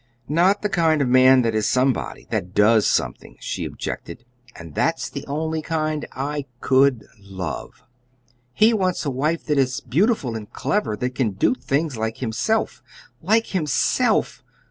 "Not the kind of man that is somebody, that does something," she objected; "and that's the only kind I could love. HE wants a wife that is beautiful and clever, that can do things like himself LIKE HIMSELF!"